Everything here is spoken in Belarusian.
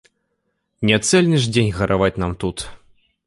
Не цэльны ж дзень гараваць нам тут!